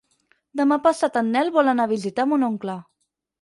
Demà passat en Nel vol anar a visitar mon oncle.